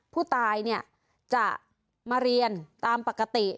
ผู้ตายเนี่ยจะมาเรียนตามปกติ